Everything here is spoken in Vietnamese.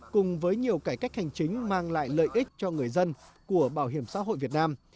cùng với nhiều cải cách hành chính mang lại lợi ích cho người dân của bảo hiểm xã hội việt nam